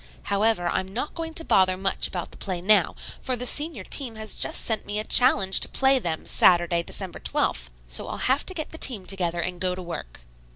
However, I'm not going to bother much about the play now, for the senior team has just sent me a challenge to play them Saturday, December 12th. So I'll have to get the team together and go to work."